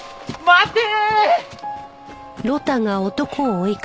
待て！